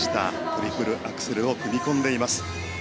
トリプルアクセルを組み込んでいます。